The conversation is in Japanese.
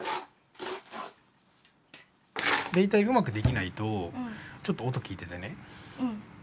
大体うまくできないとちょっと音聞いててね。